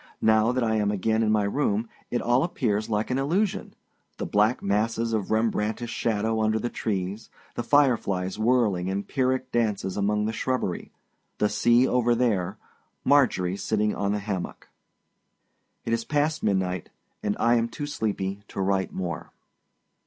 Now that I am again in my room, it all appears like an illusion the black masses of Rembrandtish shadow under the trees, the fireflies whirling in Pyrrhic dances among the shrubbery, the sea over there, Marjorie sitting on the hammock! It is past midnight, and I am too sleepy to write more.